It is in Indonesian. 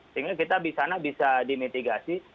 sehingga kita di sana bisa dimitigasi